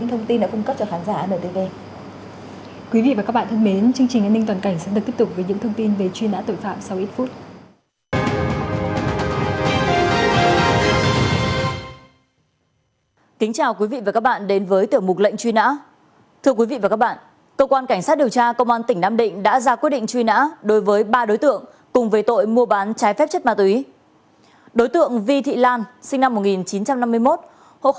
hẹn gặp lại các bạn trong những video tiếp theo